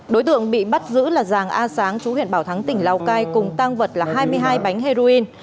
đối tượng bị bắt giữ là giàng a sáng chú huyện bảo thắng tỉnh lào cai cùng tăng vật là hai mươi hai bánh heroin